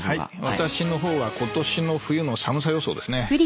私の方はことしの冬の寒さ予想ですね。